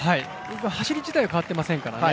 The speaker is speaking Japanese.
走り自体は変わってませんからね。